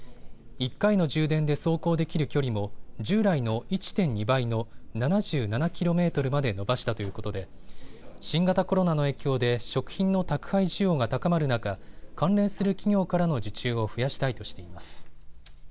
１回の充電で走行できる距離も従来の１．２倍の７７ｋｍまで伸ばしたということで新型コロナの影響で食品の宅配需要が高まる中、関連する企業からの受注を増やしたいとしています。